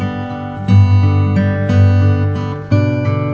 terima kasih ya mas